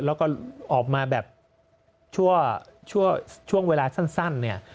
แล้วก็ออกมาแบบช่วงเวลาสั้นนี่